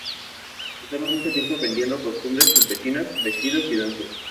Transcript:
Pasaron mucho tiempo aprendiendo costumbres campesinas, vestidos y danzas.